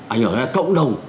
ảnh hưởng đến cộng đồng